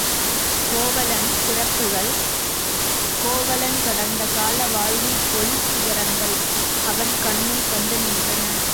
கோவலன் சிறப்புகள் கோவலன் கடந்த கால வாழ்வின் ஒளிச் சிகரங்கள் அவன் கண்முன் வந்து நின்றன.